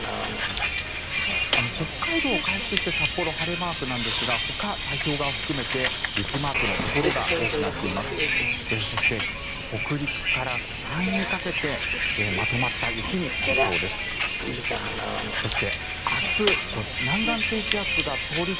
北海道、回復して札幌は晴れマークなんですがほか、太平洋側含めて雪マークのところが多くなっています。